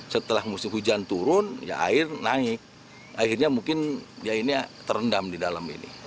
setelah musim hujan turun ya air naik akhirnya mungkin dia ini terendam di dalam ini